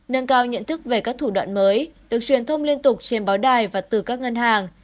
nâng cao nhận thức về các thủ đoạn mới được truyền thông liên tục trên báo đài và từ các ngân hàng